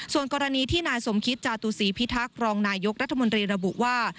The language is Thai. ส่วนกรณีที่นายสมคิตจาตุศีพิทักษ์รองนายกรัฐมนตรีระบุว่า